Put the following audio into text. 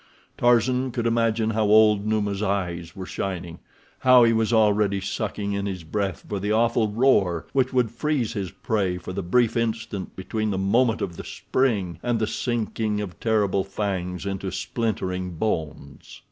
Tarzan could imagine how old Numa's eyes were shining—how he was already sucking in his breath for the awful roar which would freeze his prey for the brief instant between the moment of the spring and the sinking of terrible fangs into splintering bones.